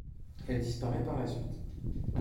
Elle disparaît par la suite.